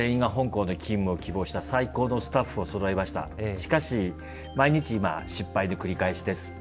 しかし毎日今失敗の繰り返しです。